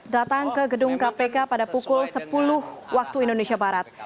datang ke gedung kpk pada pukul sepuluh waktu indonesia barat